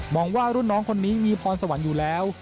องว่ารุ่นน้องคนนี้มีพรสวรรค์อยู่แล้ว